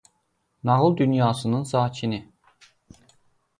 Nağıl dünyasının sakini.